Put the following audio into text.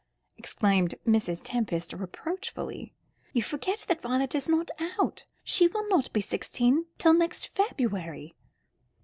exclaimed Mrs. Tempest reproachfully; "you forget that Violet is not out. She will not be sixteen till next February."